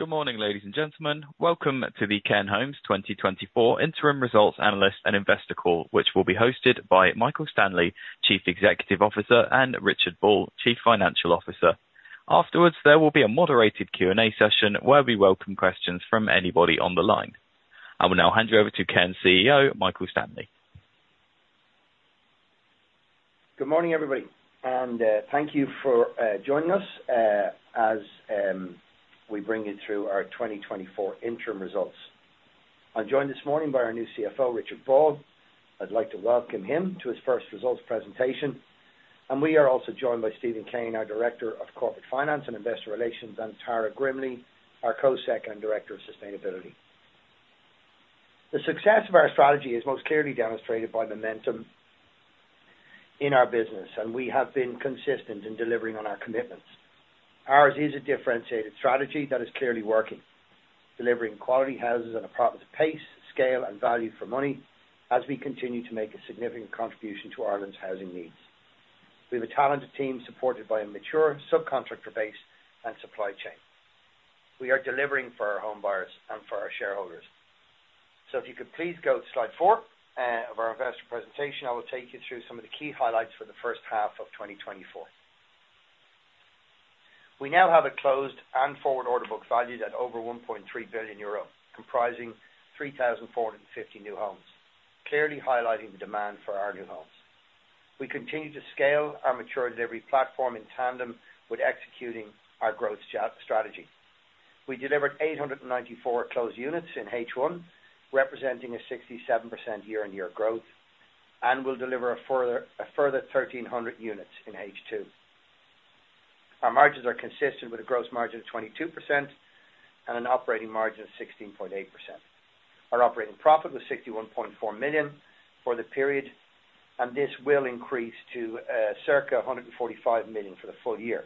Good morning, ladies and gentlemen. Welcome to the Cairn Homes 2024 Interim Results Analyst and Investor Call, which will be hosted by Michael Stanley, Chief Executive Officer, and Richard Ball, Chief Financial Officer. Afterwards, there will be a moderated Q&A session, where we welcome questions from anybody on the line. I will now hand you over to Cairn CEO, Michael Stanley. Good morning, everybody, and thank you for joining us as we bring you through our 2024 interim results. I'm joined this morning by our new CFO, Richard Ball. I'd like to welcome him to his first results presentation, and we are also joined by Stephen Kane, our Director of Corporate Finance and Investor Relations, and Tara Grimley, our Co-Sec and Director of Sustainability. The success of our strategy is most clearly demonstrated by momentum in our business, and we have been consistent in delivering on our commitments. Ours is a differentiated strategy that is clearly working, delivering quality houses at a profit, pace, scale, and value for money as we continue to make a significant contribution to Ireland's housing needs. We have a talented team, supported by a mature subcontractor base and supply chain. We are delivering for our home buyers and for our shareholders. If you could please go to slide four of our investor presentation, I will take you through some of the key highlights for the first half of 2024. We now have a closed and forward order book valued at over 1.3 billion euro, comprising 3,450 new homes, clearly highlighting the demand for our new homes. We continue to scale our mature delivery platform in tandem with executing our growth strategy. We delivered 894 closed units in H1, representing a 67% year-on-year growth, and will deliver a further 1,300 units in H2. Our margins are consistent with a gross margin of 22% and an operating margin of 16.8%. Our operating profit was 61.4 million for the period, and this will increase to circa 145 million for the full year.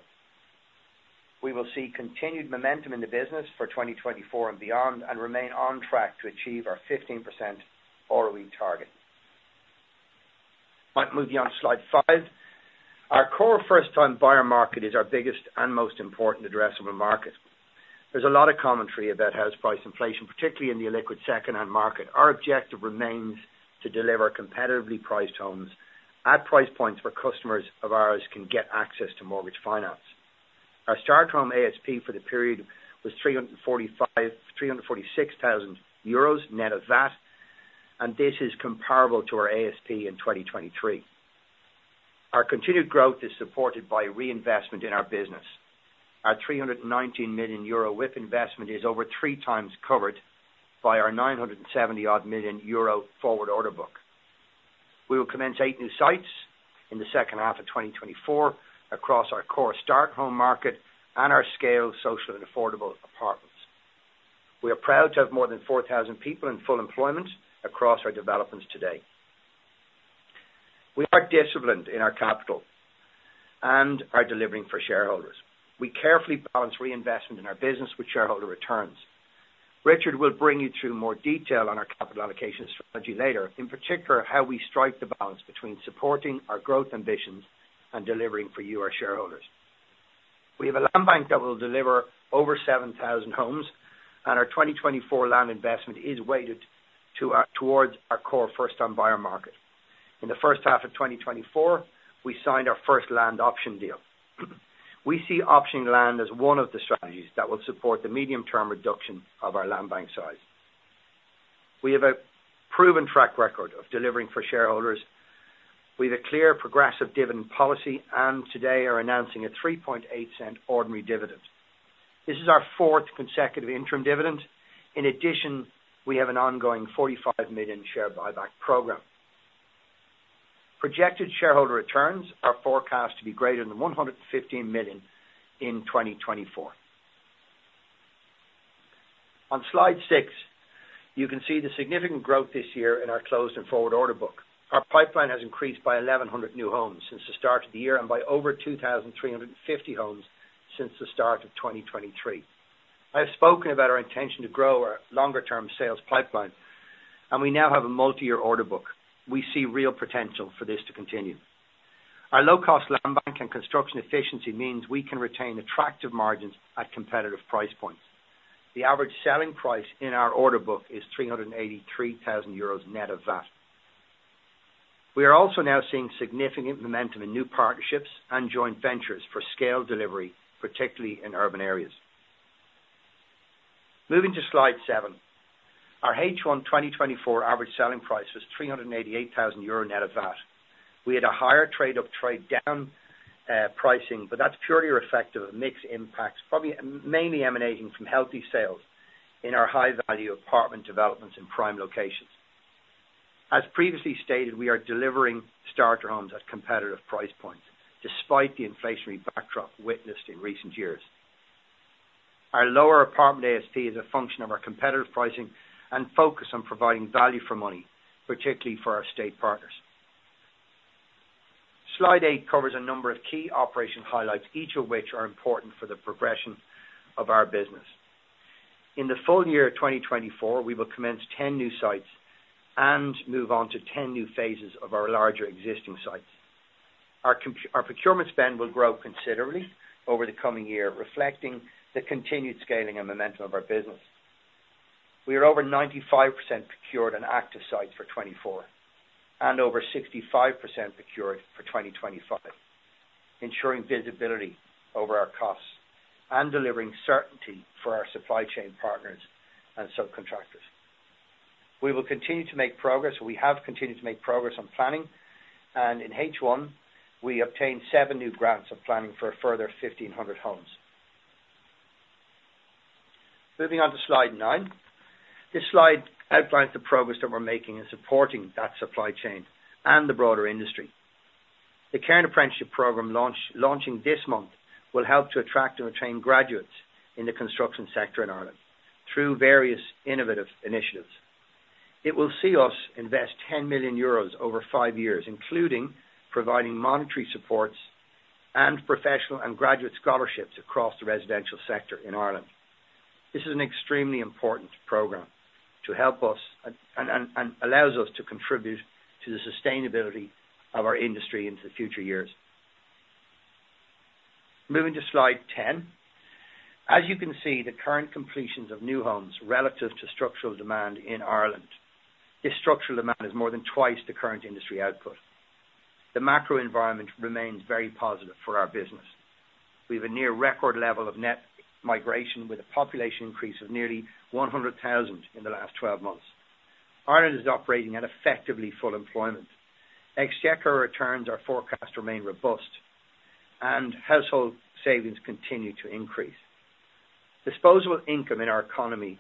We will see continued momentum in the business for 2024 and beyond and remain on track to achieve our 15% ROE target. Might move you on to slide five. Our core first-time buyer market is our biggest and most important addressable market. There's a lot of commentary about house price inflation, particularly in the illiquid secondhand market. Our objective remains to deliver competitively priced homes at price points where customers of ours can get access to mortgage finance. Our starter home ASP for the period was 346,000 euros, net of VAT, and this is comparable to our ASP in 2023. Our continued growth is supported by reinvestment in our business. Our 319 million euro WIP investment is over three times covered by our 970-odd million euro forward order book. We will commence eight new sites in the second half of 2024 across our core starter home market and our scale, social, and affordable apartments. We are proud to have more than 4,000 people in full employment across our developments today. We are disciplined in our capital and are delivering for shareholders. We carefully balance reinvestment in our business with shareholder returns. Richard will bring you through more detail on our capital allocation strategy later, in particular, how we strike the balance between supporting our growth ambitions and delivering for you, our shareholders. We have a land bank that will deliver over 7,000 homes, and our 2024 land investment is weighted towards our core first-time buyer market. In the first half of 2024, we signed our first land option deal. We see optioning land as one of the strategies that will support the medium-term reduction of our land bank size. We have a proven track record of delivering for shareholders. We have a clear, progressive dividend policy, and today are announcing a 0.038 ordinary dividend. This is our fourth consecutive interim dividend. In addition, we have an ongoing 45 million share buyback program. Projected shareholder returns are forecast to be greater than 115 million in 2024. On slide six, you can see the significant growth this year in our closed and forward order book. Our pipeline has increased by 1,100 new homes since the start of the year, and by over 2,350 homes since the start of 2023. I have spoken about our intention to grow our longer-term sales pipeline, and we now have a multi-year order book. We see real potential for this to continue. Our low-cost land bank and construction efficiency means we can retain attractive margins at competitive price points. The average selling price in our order book is 383,000 euros, net of VAT. We are also now seeing significant momentum in new partnerships and joint ventures for scale delivery, particularly in urban areas. Moving to slide seven. Our H1 2024 average selling price was 388,000 euro, net of VAT. We had a higher trade up, trade down, pricing, but that's purely reflective of mix impacts, probably mainly emanating from healthy sales in our high-value apartment developments in prime locations. As previously stated, we are delivering starter homes at competitive price points despite the inflationary backdrop witnessed in recent years. Our lower apartment ASP is a function of our competitive pricing and focus on providing value for money, particularly for our state partners. Slide 8 covers a number of key operational highlights, each of which are important for the progression of our business. In the full year of 2024, we will commence 10 new sites and move on to 10 new phases of our larger existing sites. Our procurement spend will grow considerably over the coming year, reflecting the continued scaling and momentum of our business. We are over 95% procured on active sites for 2024, and over 65% procured for 2025, ensuring visibility over our costs and delivering certainty for our supply chain partners and subcontractors. We have continued to make progress on planning, and in H1, we obtained seven new grants of planning for a further 1,500 homes. Moving on to slide 9. This slide outlines the progress that we're making in supporting that supply chain and the broader industry. The current apprenticeship program launching this month will help to attract and retain graduates in the construction sector in Ireland through various innovative initiatives. It will see us invest 10 million euros over five years, including providing monetary supports and professional and graduate scholarships across the residential sector in Ireland. This is an extremely important program to help us, and allows us to contribute to the sustainability of our industry into future years. Moving to slide 10. As you can see, the current completions of new homes relative to structural demand in Ireland. This structural demand is more than twice the current industry output. The macro environment remains very positive for our business. We have a near record level of net migration, with a population increase of nearly 100,000 in the last 12 months. Ireland is operating at effectively full employment. Exchequer returns are forecast to remain robust, and household savings continue to increase. Disposable income in our economy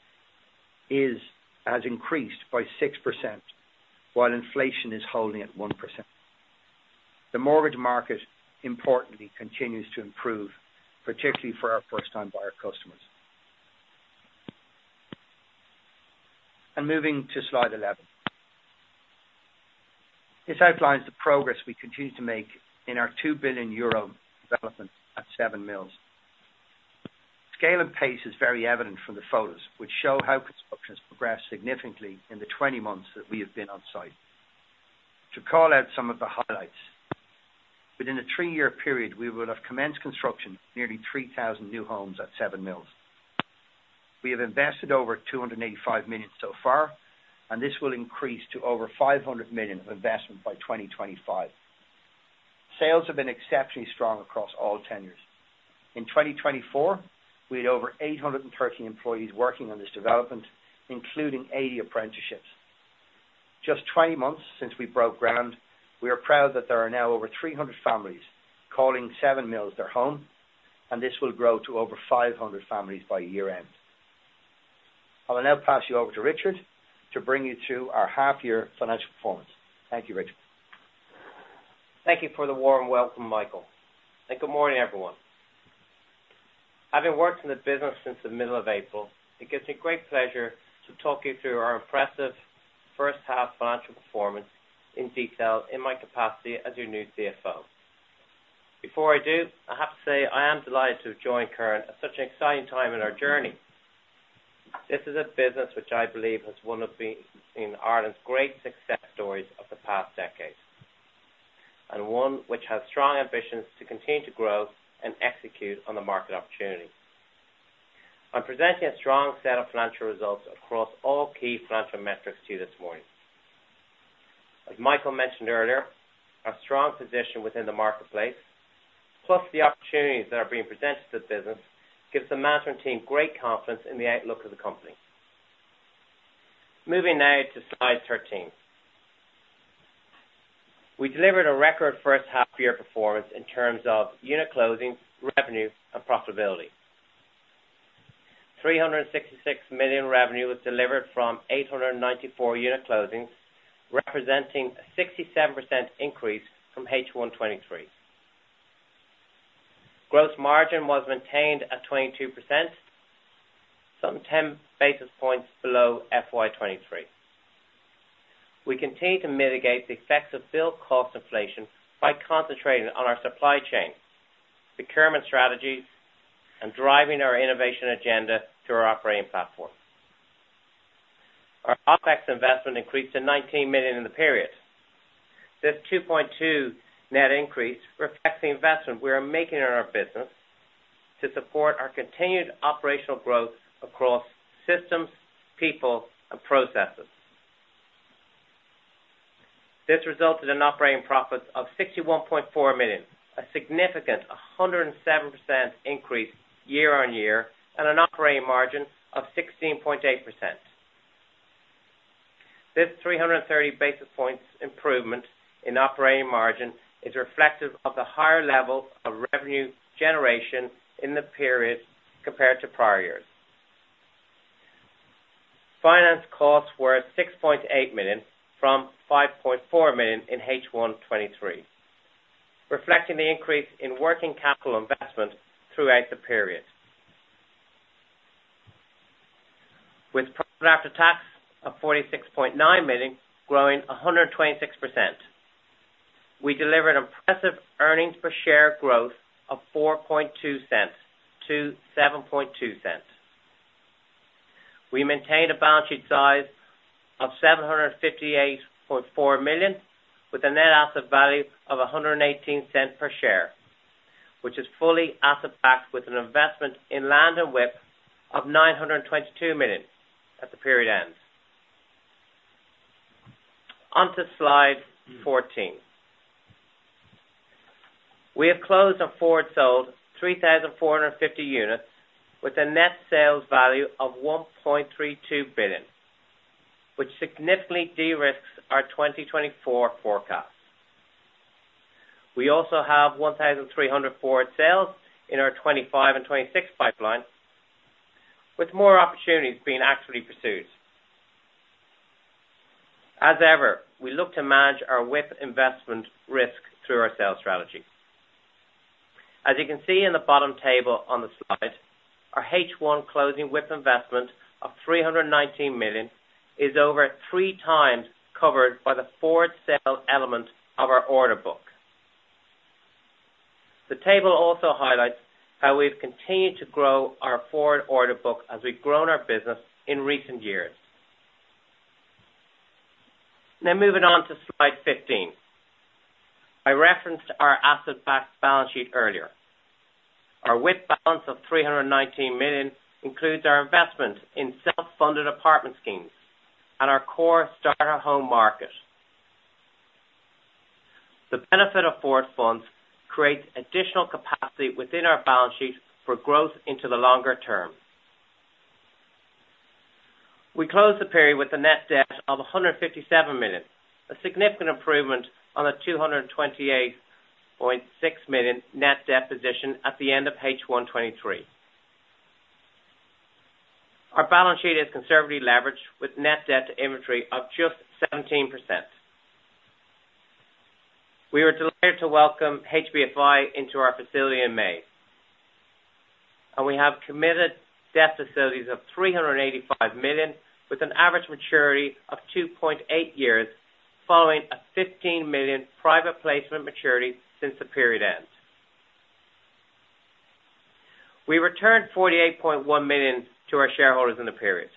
has increased by 6%, while inflation is holding at 1%. The mortgage market, importantly, continues to improve, particularly for our first-time buyer customers. And moving to slide 11. This outlines the progress we continue to make in our 2 billion euro development at Seven Mills. Scale and pace is very evident from the photos, which show how construction has progressed significantly in the 20 months that we have been on site. To call out some of the highlights: within a 3-year period, we will have commenced construction of nearly 3,000 new homes at Seven Mills. We have invested over 285 million so far, and this will increase to over 500 million of investment by 2025. Sales have been exceptionally strong across all tenures. In 2024, we had over 813 employees working on this development, including 80 apprenticeships. Just 20 months since we broke ground, we are proud that there are now over 300 families calling Seven Mills their home, and this will grow to over 500 families by year-end. I will now pass you over to Richard to bring you through our half-year financial performance. Thank you, Richard. Thank you for the warm welcome, Michael, and good morning, everyone. Having worked in the business since the middle of April, it gives me great pleasure to walk you through our impressive first half financial performance in detail in my capacity as your new CFO. Before I do, I have to say I am delighted to have joined Cairn at such an exciting time in our journey. This is a business which I believe has been one of Ireland's great success stories of the past decade, and one which has strong ambitions to continue to grow and execute on the market opportunity. I'm presenting a strong set of financial results across all key financial metrics to you this morning. As Michael mentioned earlier, our strong position within the marketplace, plus the opportunities that are being presented to the business, gives the management team great confidence in the outlook of the company. Moving now to slide 13. We delivered a record first half year performance in terms of unit closings, revenue, and profitability. 366 million revenue was delivered from 894 unit closings, representing a 67% increase from H1 2023. Gross margin was maintained at 22%, some 10 basis points below FY 2023. We continue to mitigate the effects of build cost inflation by concentrating on our supply chain, procurement strategies, and driving our innovation agenda through our operating platform. Our OpEx investment increased to 19 million in the period. This 2.2 net increase reflects the investment we are making in our business to support our continued operational growth across systems, people, and processes. This resulted in operating profits of 61.4 million, a significant 107% increase year on year, and an operating margin of 16.8%. This 330 basis points improvement in operating margin is reflective of the higher level of revenue generation in the period compared to prior years. Finance costs were at 6.8 million from 5.4 million in H1 2023, reflecting the increase in working capital investment throughout the period. With profit after tax of 46.9 million, growing 126%, we delivered impressive earnings per share growth of 0.042-0.072. We maintain a balance sheet size of 758.4 million, with a net asset value of 1.18 per share, which is fully asset-backed with an investment in land and WIP of 922 million at the period end. On to Slide 14. We have closed on forward sold 3,450 units with a net sales value of 1.32 billion, which significantly de-risks our 2024 forecast. We also have 1,300 forward sales in our 2025 and 2026 pipeline, with more opportunities being actively pursued. As ever, we look to manage our WIP investment risk through our sales strategy. As you can see in the bottom table on the slide, our H1 closing WIP investment of 319 million is over three times covered by the forward sales element of our order book. The table also highlights how we've continued to grow our forward order book as we've grown our business in recent years. Now, moving on to slide 15. I referenced our asset-backed balance sheet earlier. Our WIP balance of 319 million includes our investment in self-funded apartment schemes and our core starter home market. The benefit of forward funds creates additional capacity within our balance sheet for growth into the longer term. We closed the period with a net debt of 157 million, a significant improvement on the 228.6 million net debt position at the end of H1 2023. Our balance sheet is conservatively leveraged, with net debt to inventory of just 17%. We were delighted to welcome HBFI into our facility in May, and we have committed debt facilities of 385 million, with an average maturity of 2.8 years, following a 15 million private placement maturity since the period end. We returned 48.1 million to our shareholders in the period.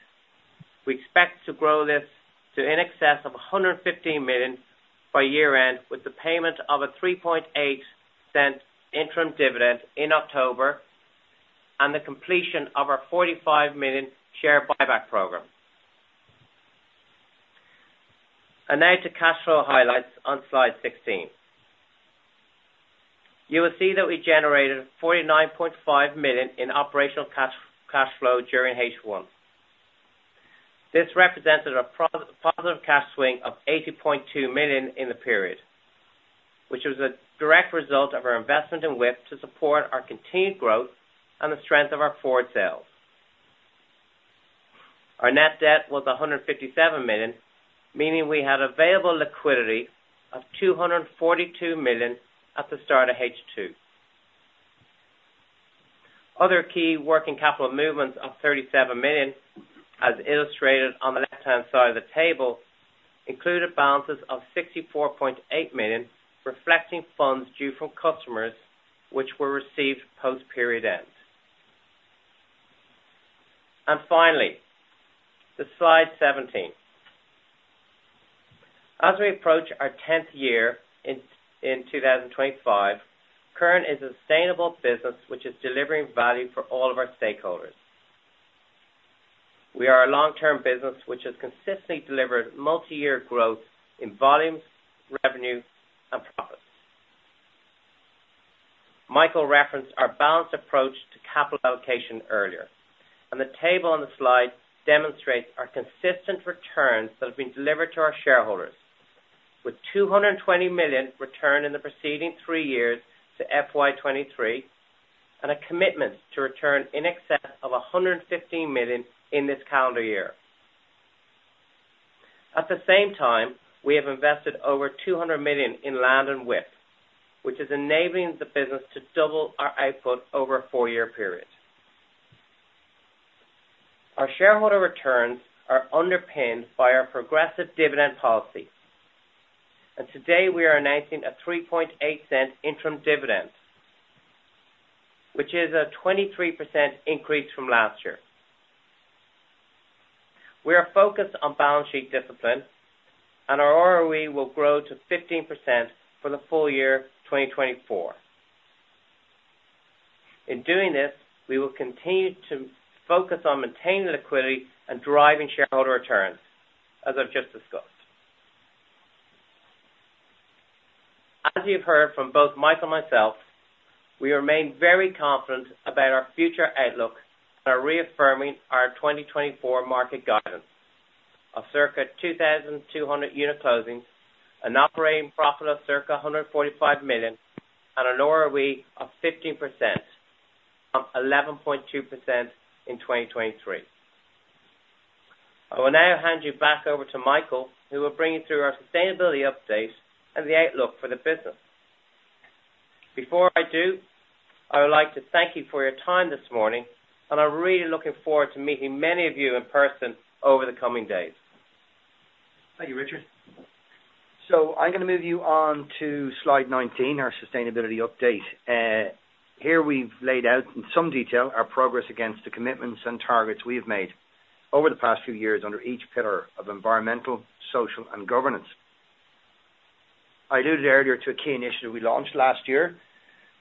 We expect to grow this to in excess of 115 million by year-end, with the payment of a 0.038 interim dividend in October and the completion of our 45 million share buyback program, and now to cash flow highlights on slide 16. You will see that we generated 49.5 million in operational cash, cash flow during H1. This represented a positive cash swing of 80.2 million in the period, which was a direct result of our investment in WIP to support our continued growth and the strength of our forward sales. Our net debt was 157 million, meaning we had available liquidity of 242 million at the start of H2. Other key working capital movements of 37 million, as illustrated on the left-hand side of the table, included balances of EUR 64.8 million, reflecting funds due from customers which were received post period end, and finally, to slide 17. As we approach our tenth year in 2025, Cairn is a sustainable business which is delivering value for all of our stakeholders. We are a long-term business which has consistently delivered multi-year growth in volumes, revenue, and profits. Michael referenced our balanced approach to capital allocation earlier, and the table on the slide demonstrates our consistent returns that have been delivered to our shareholders, with EUR 220 million returned in the preceding three years to FY 2023, and a commitment to return in excess of 115 million in this calendar year. At the same time, we have invested over 200 million in land and WIP, which is enabling the business to double our output over a four-year period. Our shareholder returns are underpinned by our progressive dividend policy, and today we are announcing a 0.038 interim dividend, which is a 23% increase from last year. We are focused on balance sheet discipline, and our ROE will grow to 15% for the full year 2024. In doing this, we will continue to focus on maintaining liquidity and driving shareholder returns, as I've just discussed. As you've heard from both Michael and myself, we remain very confident about our future outlook and are reaffirming our 2024 market guidance of circa 2,200 unit closings, an operating profit of circa 145 million, and an ROE of 15%, from 11.2% in 2023. I will now hand you back over to Michael, who will bring you through our sustainability update and the outlook for the business. Before I do, I would like to thank you for your time this morning, and I'm really looking forward to meeting many of you in person over the coming days. Thank you, Richard. So I'm gonna move you on to slide 19, our sustainability update. Here we've laid out, in some detail, our progress against the commitments and targets we have made over the past few years under each pillar of environmental, social, and governance. I alluded earlier to a key initiative we launched last year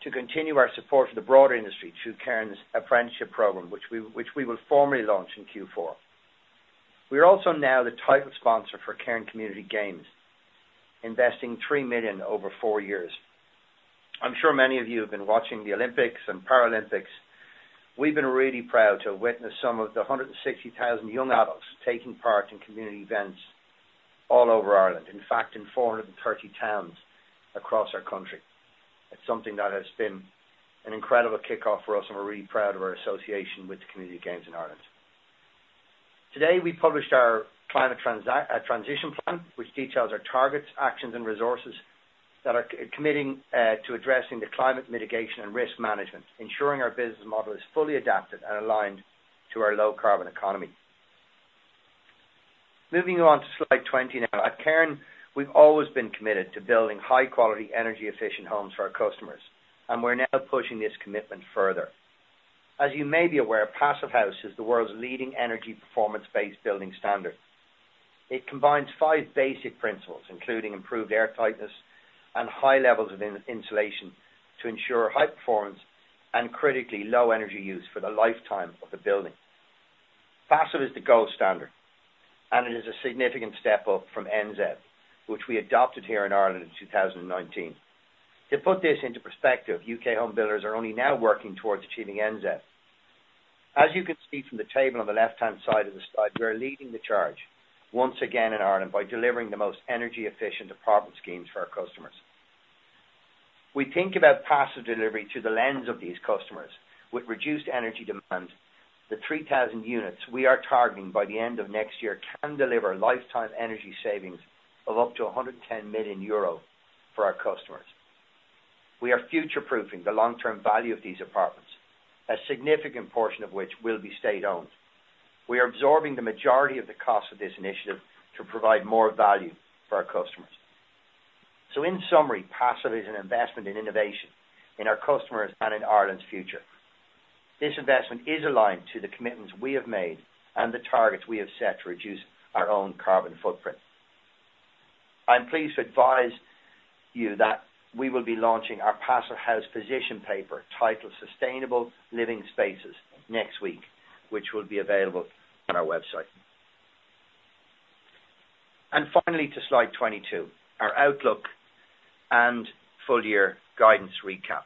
to continue our support for the broader industry through Cairn's Apprenticeship Program, which we will formally launch in Q4. We are also now the title sponsor for Cairn Community Games, investing 3 million over four years. I'm sure many of you have been watching the Olympics and Paralympics. We've been really proud to have witnessed some of the 160,000 young adults taking part in community events all over Ireland. In fact, in 430 towns across our country. It's something that has been an incredible kickoff for us, and we're really proud of our association with the Community Games in Ireland. Today, we published our climate transition plan, which details our targets, actions, and resources that are committing to addressing the climate mitigation and risk management, ensuring our business model is fully adapted and aligned to our low carbon economy. Moving you on to slide 20 now. At Cairn, we've always been committed to building high quality, energy efficient homes for our customers, and we're now pushing this commitment further. As you may be aware, Passivhaus is the world's leading energy performance-based building standard. It combines five basic principles, including improved airtightness and high levels of insulation, to ensure high performance and critically low energy use for the lifetime of the building. Passivhaus is the gold standard, and it is a significant step up from NZEB, which we adopted here in Ireland in 2019. To put this into perspective, U.K. home builders are only now working towards achieving NZEB. As you can see from the table on the left-hand side of the slide, we are leading the charge once again in Ireland by delivering the most energy efficient apartment schemes for our customers. We think about Passivhaus delivery through the lens of these customers. With reduced energy demand, the 3,000 units we are targeting by the end of next year can deliver lifetime energy savings of up to 110 million euro for our customers. We are future-proofing the long-term value of these apartments, a significant portion of which will be state-owned. We are absorbing the majority of the cost of this initiative to provide more value for our customers. So in summary, Passivhaus is an investment in innovation in our customers and in Ireland's future. This investment is aligned to the commitments we have made and the targets we have set to reduce our own carbon footprint. I'm pleased to advise you that we will be launching our Passivhaus position paper, titled Sustainable Living Spaces, next week, which will be available on our website. And finally, to slide 22, our outlook and full year guidance recap.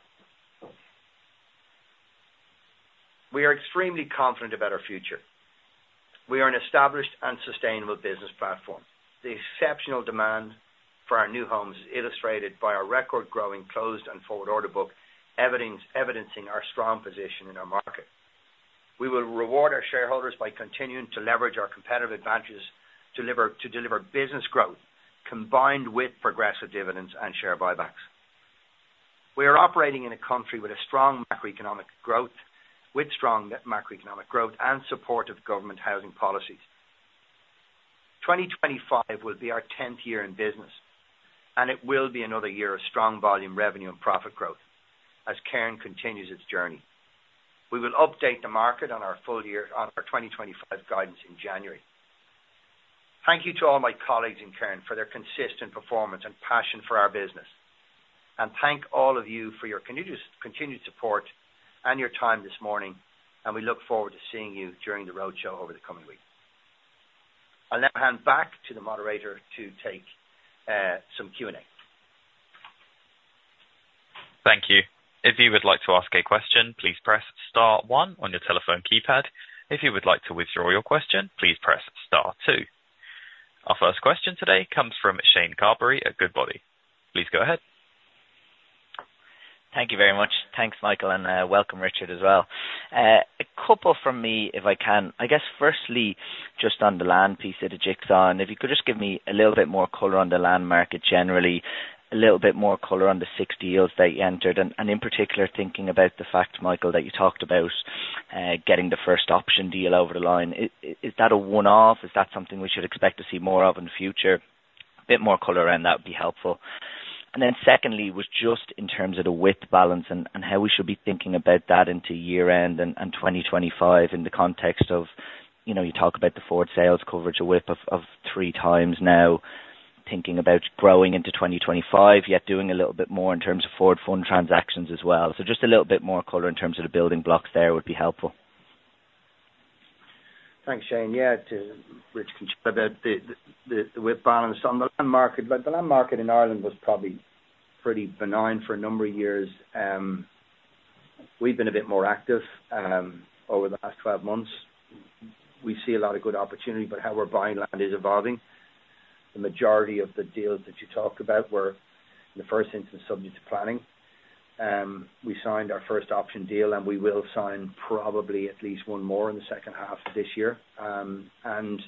We are extremely confident about our future. We are an established and sustainable business platform. The exceptional demand for our new homes is illustrated by our record growing closed and forward order book, evidencing our strong position in our market. We will reward our shareholders by continuing to leverage our competitive advantages, to deliver business growth, combined with progressive dividends and share buybacks. We are operating in a country with strong macroeconomic growth and supportive government housing policies. 2025 will be our tenth year in business, and it will be another year of strong volume, revenue, and profit growth as Cairn continues its journey. We will update the market on our full year, on our 2025 guidance in January. Thank you to all my colleagues in Cairn for their consistent performance and passion for our business. Thank all of you for your continued support and your time this morning, and we look forward to seeing you during the roadshow over the coming weeks. I'll now hand back to the moderator to take some Q&A. Thank you. If you would like to ask a question, please press star one on your telephone keypad. If you would like to withdraw your question, please press star two. Our first question today comes from Shane Carberry at Goodbody. Please go ahead. Thank you very much. Thanks, Michael, and welcome, Richard, as well. A couple from me, if I can. I guess, firstly, just on the land piece of the jigsaw, and if you could just give me a little bit more color on the land market, generally, a little bit more color on the six deals that you entered, and in particular, thinking about the fact, Michael, that you talked about getting the first option deal over the line. Is that a one-off? Is that something we should expect to see more of in the future? A bit more color around that would be helpful. And then secondly, was just in terms of the with balance and how we should be thinking about that into year-end and 2025, in the context of, you know, you talk about the forward sales coverage, a WIP of three times now, thinking about growing into 2025, yet doing a little bit more in terms of forward fund transactions as well. So just a little bit more color in terms of the building blocks there would be helpful. Thanks, Shane. Yeah, to which I can share the view on the land market. But the land market in Ireland was probably pretty benign for a number of years. We've been a bit more active over the last 12 months. We see a lot of good opportunity, but how we're buying land is evolving. The majority of the deals that you talked about were in the first instance subject to planning. We signed our first option deal, and we will sign probably at least one more in the second half of this year, and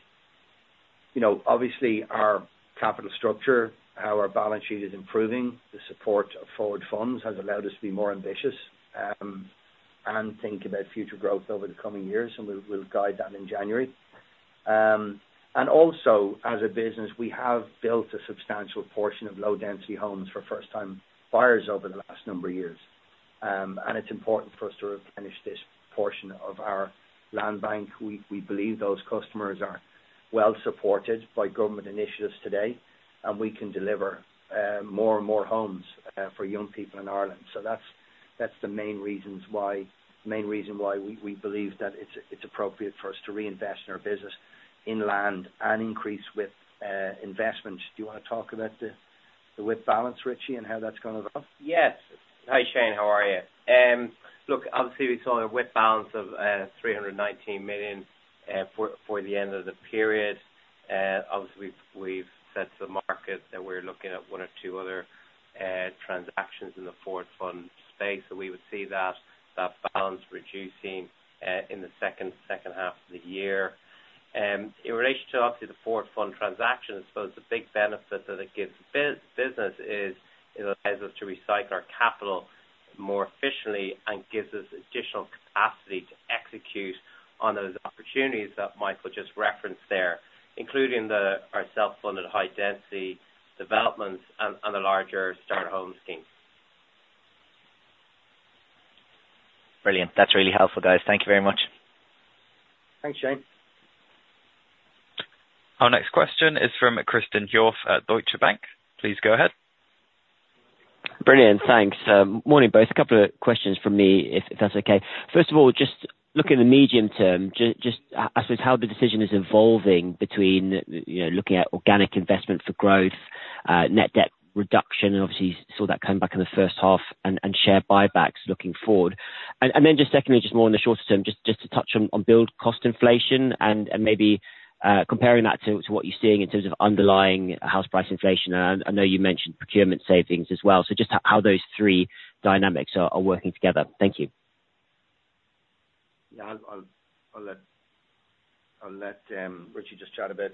you know, obviously, our capital structure, how our balance sheet is improving, the support of forward funds has allowed us to be more ambitious and think about future growth over the coming years, and we'll guide that in January. And also, as a business, we have built a substantial portion of low-density homes for first-time buyers over the last number of years. And it's important for us to replenish this portion of our land bank. We believe those customers are well supported by government initiatives today, and we can deliver more and more homes for young people in Ireland. So that's the main reason why we believe that it's appropriate for us to reinvest in our business in land and increase WIP investment. Do you wanna talk about the WIP balance, Richie, and how that's going as well? Yes. Hi, Shane, how are you? Look, obviously we saw a WIP balance of 319 million for the end of the period. Obviously, we've said to the market that we're looking at one or two other transactions in the forward fund space. So we would see that balance reducing in the second half of the year. In relation to obviously the forward fund transaction, I suppose the big benefit that it gives business is, it allows us to recycle our capital more efficiently and gives us additional capacity to execute on those opportunities that Michael just referenced there, including our self-funded high-density developments and the larger Starter Home scheme. Brilliant. That's really helpful, guys. Thank you very much. Thanks, Shane. Our next question is from Kristen Joff at Deutsche Bank. Please go ahead. Brilliant. Thanks. Morning, both. A couple of questions from me, if that's okay. First of all, just looking in the medium term, just, I suppose, how the decision is evolving between, you know, looking at organic investment for growth, net debt reduction, and obviously saw that come back in the first half, and share buybacks looking forward. And then just secondly, just more on the shorter term, just to touch on build cost inflation and maybe comparing that to what you're seeing in terms of underlying house price inflation. And I know you mentioned procurement savings as well. So just how those three dynamics are working together. Thank you. Yeah, I'll let Richie just chat about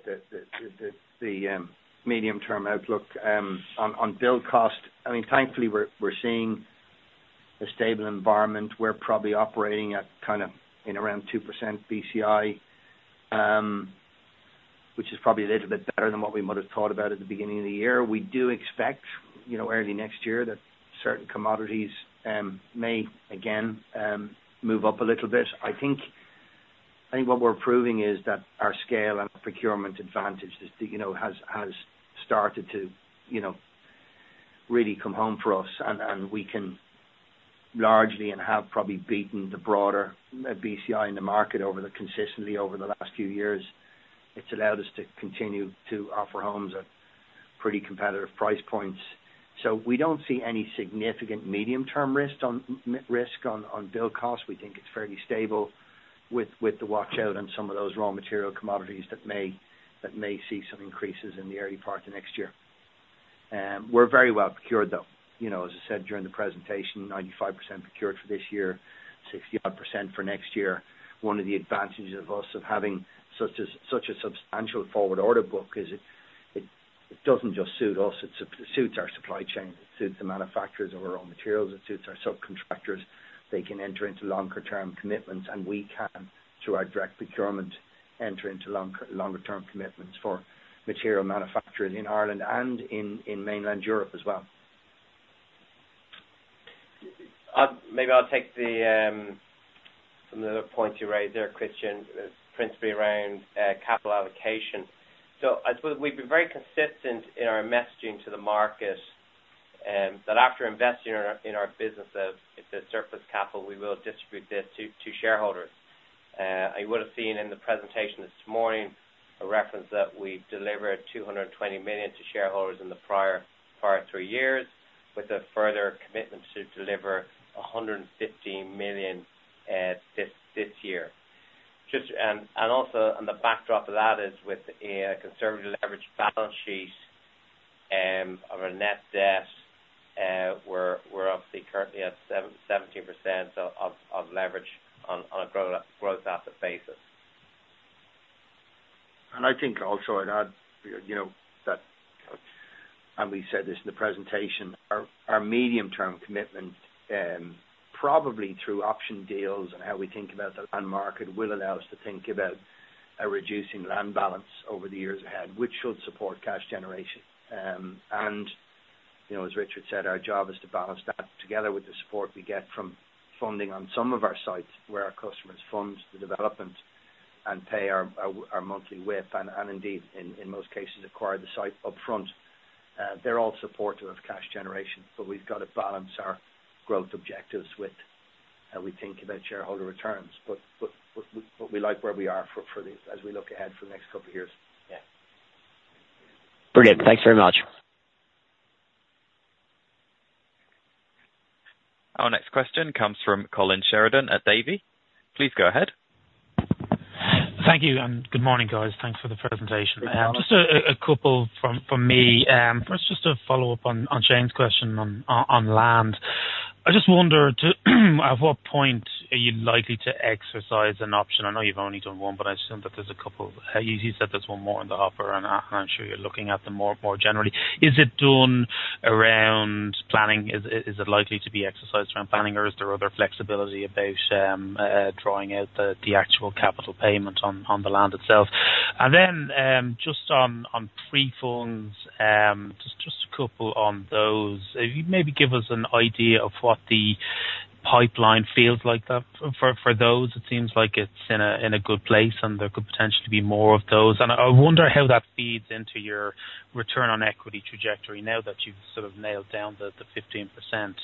the medium-term outlook. On build cost, I mean, thankfully, we're seeing a stable environment. We're probably operating at kind of in around 2% BCI, which is probably a little bit better than what we might have thought about at the beginning of the year. We do expect, you know, early next year, that certain commodities may again move up a little bit. I think what we're proving is that our scale and procurement advantage is, you know, has started to, you know, really come home for us, and we can largely and have probably beaten the broader BCI in the market consistently over the last few years. It's allowed us to continue to offer homes at pretty competitive price points. So we don't see any significant medium-term risk on margin, risk on build cost. We think it's fairly stable with the watch out on some of those raw material commodities that may see some increases in the early part of next year. We're very well procured, though. You know, as I said during the presentation, 95% procured for this year, 60-odd% for next year. One of the advantages of us having such a substantial forward order book is it doesn't just suit us, it suits our supply chain. It suits the manufacturers of our raw materials, it suits our subcontractors. They can enter into longer-term commitments, and we can, through our direct procurement, enter into longer term commitments for material manufacturers in Ireland and in mainland Europe as well. Maybe I'll take some of the points you raised there, Christian, principally around capital allocation. So I suppose we've been very consistent in our messaging to the market, that after investing in our business, if there's surplus capital, we will distribute this to shareholders. You would have seen in the presentation this morning, a reference that we delivered 220 million to shareholders in the prior three years, with a further commitment to deliver 115 million this year. Just, and also, on the backdrop of that is with a conservative leverage balance sheet, of our net debt, we're obviously currently at 17% of leverage on a gross asset basis. I think also I'd add, you know, that, and we said this in the presentation, our medium-term commitment, probably through option deals and how we think about the land market, will allow us to think about a reducing land balance over the years ahead, which should support cash generation. And, you know, as Richard said, our job is to balance that together with the support we get from funding on some of our sites, where our customers fund the development and pay our monthly WIP, and indeed, in most cases, acquire the site upfront. They're all supportive of cash generation, but we've got to balance our growth objectives with how we think about shareholder returns. We like where we are for as we look ahead for the next couple of years. Yeah. Brilliant. Thanks very much. Our next question comes from Colin Sheridan at Davy. Please go ahead. Thank you, and good morning, guys. Thanks for the presentation. Good morning. Just a couple from me. First, just to follow up on Shane's question on land. I just wonder, too, at what point are you likely to exercise an option? I know you've only done one, but I assume that there's a couple. You said there's one more in the offer, and I'm sure you're looking at them more generally. Is it done around planning? Is it likely to be exercised around planning, or is there other flexibility about drawing out the actual capital payment on the land itself? Then, just on prefunds, just a couple on those. If you'd maybe give us an idea of what the pipeline feels like that for those, it seems like it's in a good place, and there could potentially be more of those. I wonder how that feeds into your return on equity trajectory now that you've sort of nailed down the 15%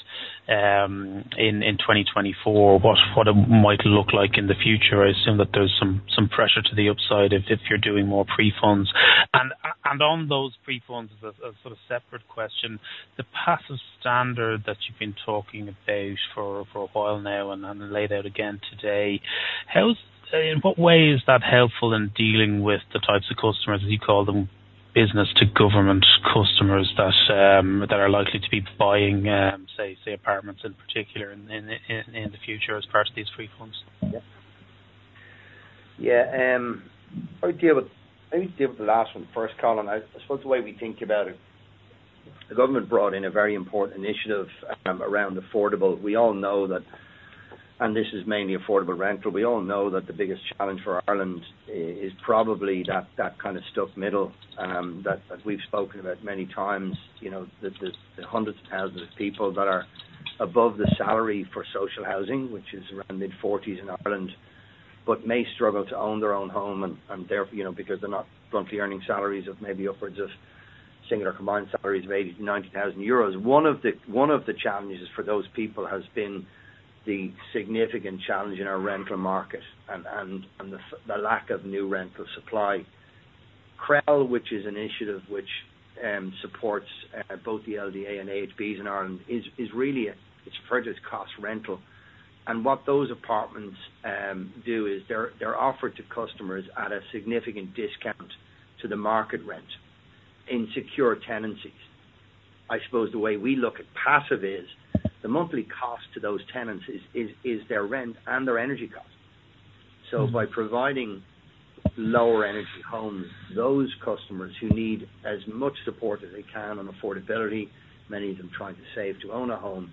in 2024, what it might look like in the future. I assume that there's some pressure to the upside if you're doing more prefunds. On those prefunds, as a sort of separate question, the passive standard that you've been talking about for a while now and laid out again today, how's, in what way is that helpful in dealing with the types of customers, as you call them, business to government customers that are likely to be buying say apartments in particular in the future as part of these prefunds? Yeah. I'll deal with the last one first, Colin. I suppose the way we think about it, the government brought in a very important initiative around affordable. We all know that, and this is mainly affordable rental. We all know that the biggest challenge for Ireland is probably that kind of stuck middle, that we've spoken about many times. You know, the hundreds of thousands of people that are above the salary for social housing, which is around mid-forties in Ireland, but may struggle to own their own home and therefore, you know, because they're not bluntly earning salaries of maybe upwards of single combined salaries of 80,000-90,000 euros. One of the challenges for those people has been the significant challenge in our rental market and the lack of new rental supply. CREL, which is an initiative which supports both the LDA and AHBs in Ireland, is really a cost rental project. And what those apartments do is they're offered to customers at a significant discount to the market rent in secure tenancies. I suppose the way we look at Passivhaus is, the monthly cost to those tenants is their rent and their energy costs. So by providing lower energy homes, those customers who need as much support as they can on affordability, many of them trying to save to own a home,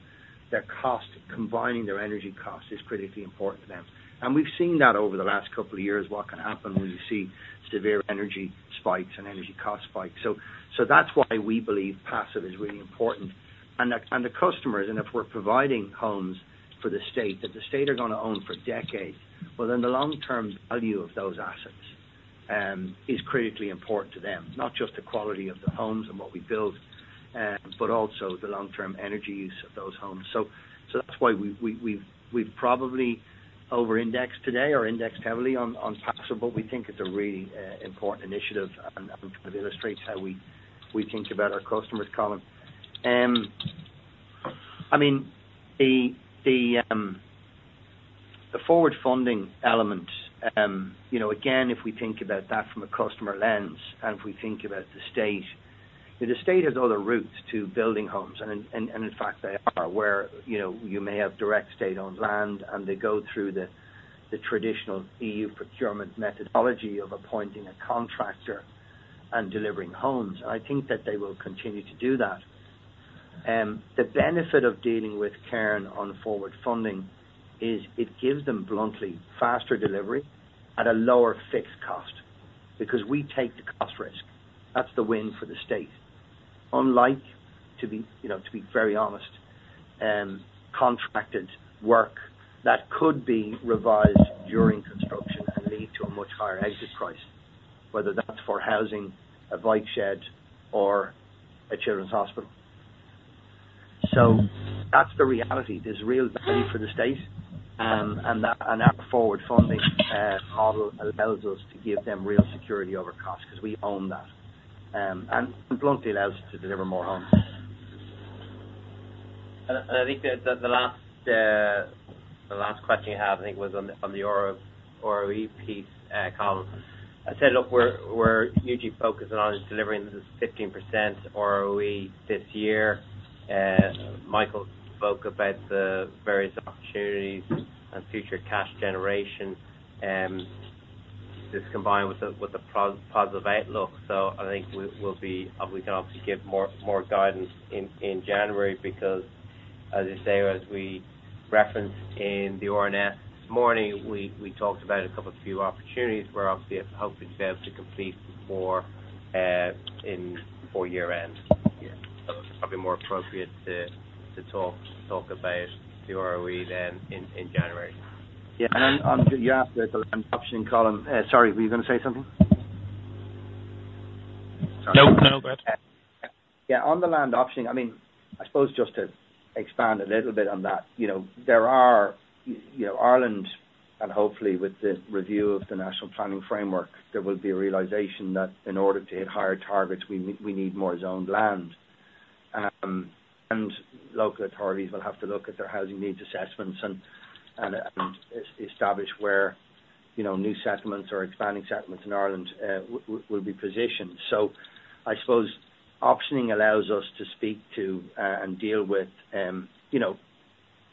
their cost combining their energy cost is critically important to them. And we've seen that over the last couple of years, what can happen when you see severe energy spikes and energy cost spikes. So that's why we believe passive is really important. And the customers, and if we're providing homes for the state, that the state are gonna own for decades, well, then the long-term value of those assets is critically important to them. Not just the quality of the homes and what we build, but also the long-term energy use of those homes. So that's why we've probably over-indexed today or indexed heavily on passive, but we think it's a really important initiative and kind of illustrates how we think about our customers, Colin. I mean, the forward funding element, you know, again, if we think about that from a customer lens, and if we think about the state, the state has other routes to building homes, and in fact, they are where, you know, you may have direct state-owned land, and they go through the traditional EU procurement methodology of appointing a contractor and delivering homes. I think that they will continue to do that. The benefit of dealing with Cairn on forward funding is it gives them bluntly, faster delivery at a lower fixed cost, because we take the cost risk. That's the win for the state. Unlike, to be, you know, to be very honest, contracted work that could be revised during construction and lead to a much higher exit price, whether that's for housing, a bike shed or a children's hospital. So that's the reality. There's real value for the state, and that, and our forward funding model allows us to give them real security over cost because we own that, and bluntly allows us to deliver more homes. I think the last question you have, I think, was on the ROE piece, Colin. I said, look, we're hugely focusing on delivering this 15% ROE this year. Michael spoke about the various opportunities and future cash generation, this combined with the positive outlook. I think we'll be, we can obviously give more guidance in January, because as I say, as we referenced in the RNS this morning, we talked about a couple of few opportunities we're obviously hoping to be able to complete before year-end. Yeah. So it's probably more appropriate to talk about the ROE then in January. Yeah, and on you asked the land option, Colin. Sorry, were you gonna say something? Nope. No, go ahead. Yeah, on the land optioning, I mean, I suppose just to expand a little bit on that, you know, there are, you know, Ireland, and hopefully with the review of the National Planning Framework, there will be a realization that in order to hit higher targets, we need more zoned land. And local authorities will have to look at their housing needs assessments and establish where, you know, new settlements or expanding settlements in Ireland will be positioned. So I suppose optioning allows us to speak to and deal with, you know,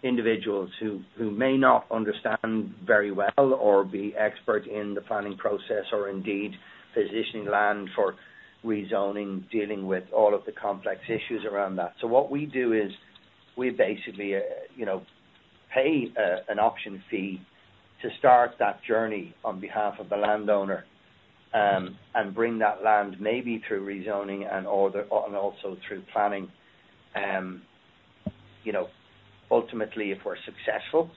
individuals who may not understand very well or be expert in the planning process, or indeed positioning land for rezoning, dealing with all of the complex issues around that. So what we do is we basically, you know... pay an option fee to start that journey on behalf of the landowner, and bring that land maybe through rezoning and also through planning. You know, ultimately, if we're successful,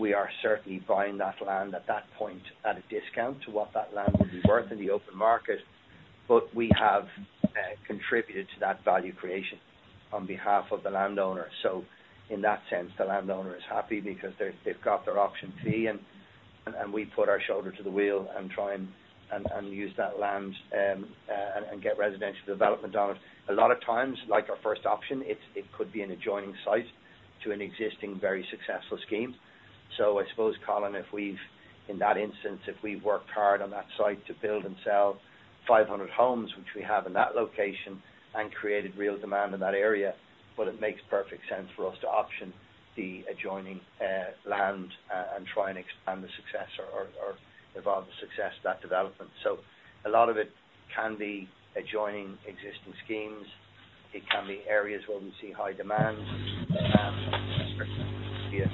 we are certainly buying that land at that point at a discount to what that land would be worth in the open market. But we have contributed to that value creation on behalf of the landowner. So in that sense, the landowner is happy because they've got their option fee, and we put our shoulder to the wheel and try and use that land and get residential development on it. A lot of times, like our first option, it could be an adjoining site to an existing very successful scheme. So I suppose, Colin, if we've, in that instance, if we've worked hard on that site to build and sell 500 homes, which we have in that location, and created real demand in that area, but it makes perfect sense for us to option the adjoining land and try and expand the success or evolve the success of that development. So a lot of it can be adjoining existing schemes. It can be areas where we see high demand, be it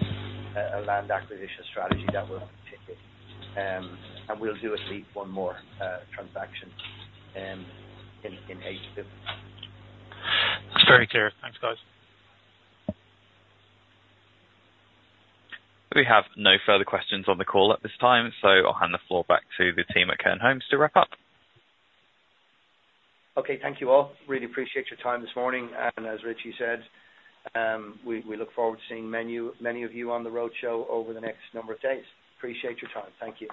a land acquisition strategy that we're taking and we'll do at least one more transaction in H2. It's very clear. Thanks, guys. We have no further questions on the call at this time, so I'll hand the floor back to the team at Cairn Homes to wrap up. Okay, thank you all. Really appreciate your time this morning, and as Richie said, we look forward to seeing many of you on the road show over the next number of days. Appreciate your time. Thank you.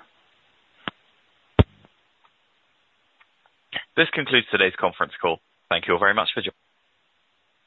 This concludes today's conference call. Thank you all very much for joining.